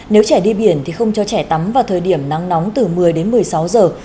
nếu trẻ đi biển thì không cho trẻ tắm vào thời điểm nắng nóng từ một mươi đến một mươi sáu giờ